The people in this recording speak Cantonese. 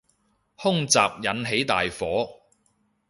空襲引起大火